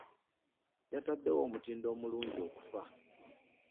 Yataddewo omutindo omulungi okufa.